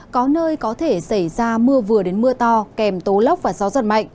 có nơi có thể xảy ra mưa vừa đến mưa to kèm tố lốc và gió giật mạnh